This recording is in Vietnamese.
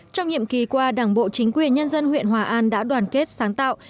trong nhiệm kỳ qua đảng bộ chính quyền nhân dân huyện hòa an đã đoàn kết sáng tạo